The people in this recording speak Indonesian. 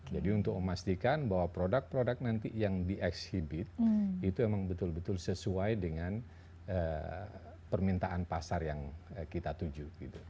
jadi untuk memastikan bahwa produk produk nanti yang di exhibit itu memang betul betul sesuai dengan permintaan pasar yang kita tuju